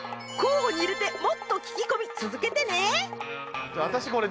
候補に入れてもっと聞き込み続けてね。